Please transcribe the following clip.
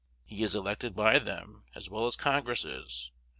He is elected by them as well as Congress is.